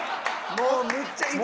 もういっちゃん。